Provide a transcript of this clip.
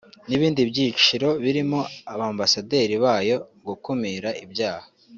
n’ibindi byiciro birimo Abambasaderi bayo mu gukumira ibyaha